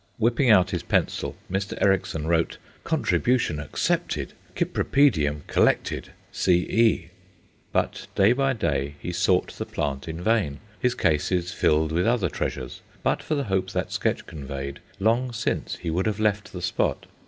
Whipping out his pencil, Mr. Ericksson wrote: "Contribution accepted. Cypripedium collected! C.E." But day by day he sought the plant in vain. His cases filled with other treasures. But for the hope that sketch conveyed, long since he would have left the spot.